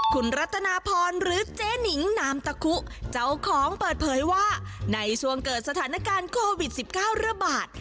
คุณรัตนาพรหรือเจ๊นิงนามตะคุเจ้าของเปิดเผยว่าในช่วงเกิดสถานการณ์โควิด๑๙ระบาด